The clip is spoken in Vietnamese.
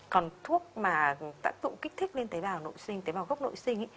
còn thuốc mà tác dụng kích thích lên tế bào gốc nội sinh